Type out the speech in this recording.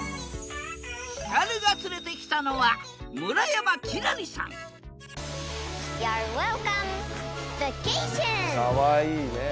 ヒカルが連れてきたのはかわいいね。